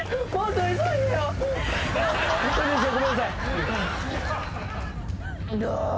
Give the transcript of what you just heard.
ごめんなさい。